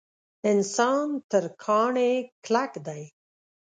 انسان تر کاڼي کلک دی.